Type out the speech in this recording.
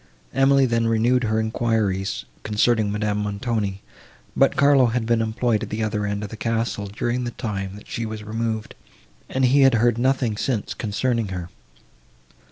Emily then renewed her enquiries, concerning Madame Montoni, but Carlo had been employed at the other end of the castle, during the time, that she was removed, and he had heard nothing since, concerning her.